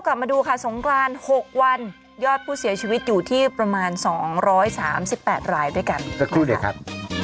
กลับมาดูค่ะสงกราน๖วันยอดผู้เสียชีวิตอยู่ที่ประมาณ๒๓๘รายด้วยกันสักครู่เดี๋ยวครับ